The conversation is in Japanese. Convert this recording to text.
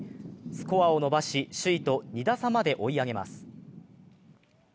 スコアを伸ばし首位と２打差まで追い上げます。